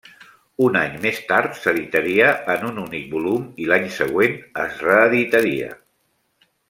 Un any més tard, s'editaria en un únic volum i, l'any següent, es reeditaria.